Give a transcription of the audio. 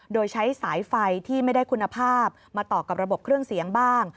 โดยใช้สายไฟที่ไม่ได้คุณภาพมาต่อกับระบบเครื่องเสียงบ้าง